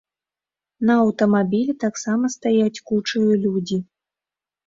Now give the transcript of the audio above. На аўтамабілі таксама стаяць кучаю людзі.